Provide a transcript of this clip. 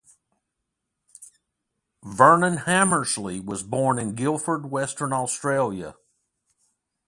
Vernon Hamersley was born in Guildford, Western Australia.